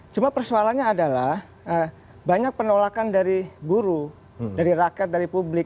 cuma persoalannya adalah banyak penolakan dari buru dari rakyat dari publik